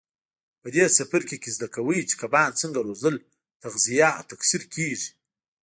په دې څپرکي کې زده کوئ چې کبان څنګه روزل تغذیه او تکثیر کېږي.